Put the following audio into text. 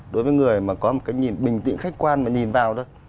đối với người mà có một cái nhìn bình tĩnh khách quan mà nhìn vào đâu